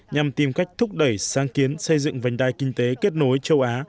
nhằm tìm cách thúc đẩy sáng kiến xây dựng vành đai kinh tế kết nối châu á